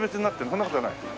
そんな事はない？